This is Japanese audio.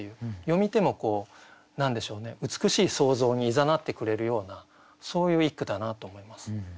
読み手も何でしょうね美しい想像にいざなってくれるようなそういう一句だなと思います。